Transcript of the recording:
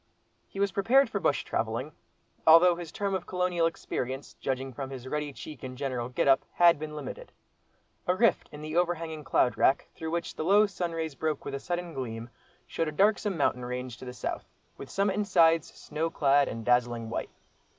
He was prepared for bush travelling—although his term of "colonial experience," judging from his ruddy cheek and general get up, had been limited. A rift in the over hanging cloud wrack, through which the low sunrays broke with a sudden gleam, showed a darksome mountain range to the south, with summit and sides, snow clad and dazzling white.